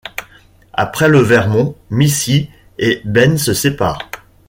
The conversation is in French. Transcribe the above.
Après le Vermont, Missy et Ben se séparent.